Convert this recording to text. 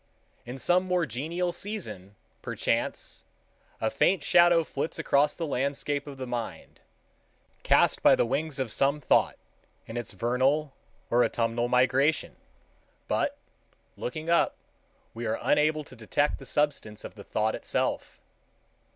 In some more genial season, perchance, a faint shadow flits across the landscape of the mind, cast by the wings of some thought in its vernal or autumnal migration, but, looking up, we are unable to detect the substance of the thought itself.